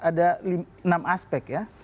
ada enam aspek ya